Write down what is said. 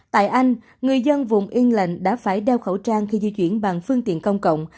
tại anh người dân vùng yên lệnh đã phải đeo khẩu trang khi di chuyển bằng phương tiện công cộng